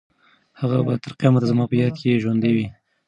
هغه به تر قیامته زما په یاد کې ژوندۍ وي.